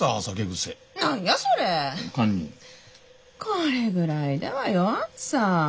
これぐらいでは酔わんさ。